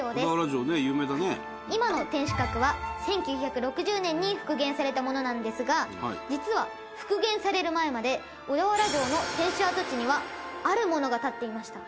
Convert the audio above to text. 響大君：今の天守閣は１９６０年に復元されたものなんですが実は、復元される前まで小田原城の天守跡地にはあるものが建っていました。